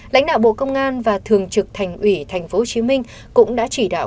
lãnh đạo bộ công an và thường trực thành ủy tp hcm cũng đã chỉ đạo